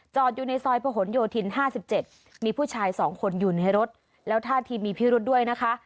อยู่ในซอยประหลโยธิน๕๗มีผู้ชาย๒คนอยู่ในรถแล้วท่าทีมีพิรุธด้วยนะคะ